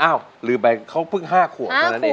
ลืมไปเขาเพิ่ง๕ขวบเท่านั้นเอง